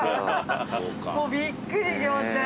もうびっくり仰天。